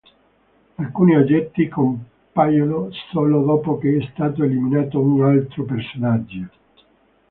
Alcuni oggetti compaiono solo dopo che è stato eliminato un altro personaggio.